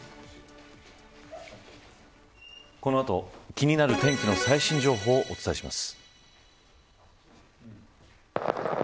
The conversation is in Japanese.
この後、気になる天気の最新情報をお伝えします。